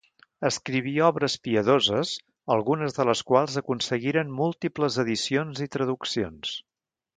Escriví obres piadoses, algunes de les quals aconseguiren múltiples edicions i traduccions.